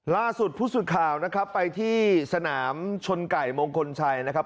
ล่าสุดผู้สื่อข่าวนะครับไปที่สนามชนไก่มงคลชัยนะครับ